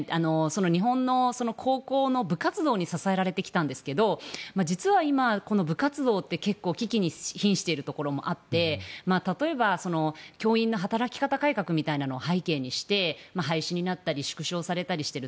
日本の高校の部活動に支えられてきたんですけど実は今、この部活動は危機にひんしているところもあって例えば教員の働き方改革みたいなのを背景にして廃止になったり縮小されたりしている。